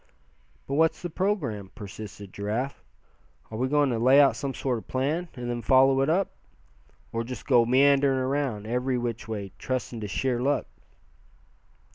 "But what's the programme?" persisted Giraffe. "Are we going to lay out some sort of plan, and then follow it up; or just go meanderin' around, every which way, trusting to sheer luck?"